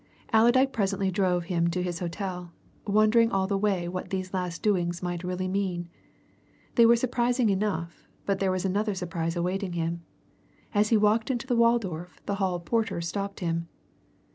Allerdyke presently drove him to his hotel, wondering all the way what these last doings might really mean. They were surprising enough, but there was another surprise awaiting him. As he walked into the Waldorf the hall porter stopped him.